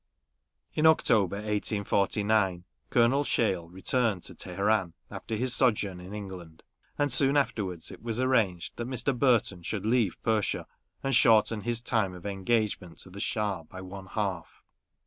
In October, 1849, Colonel Shiel returned to Teheran, after his sojourn in England ; and soon afterwards it was arranged that Mr. Burton should leave Persia, and shorten his time of engagement to the Schah by one half.